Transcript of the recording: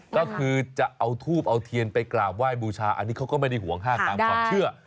ก็คือจะเอาทูบเอาเทียนไปกราบไหว้บูชาอันนี้เขาก็ไม่ได้ห่วงห้ามตามความเชื่อ